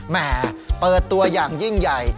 แม่เปิดตัวอย่างยิ่งใหญ่